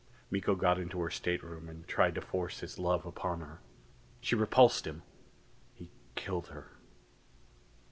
Miko got into her stateroom and tried to force his love upon her. She repulsed him. He killed her...."